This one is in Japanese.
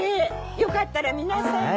よかったら皆さんで。